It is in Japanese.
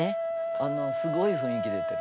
あのすごい雰囲気出てる。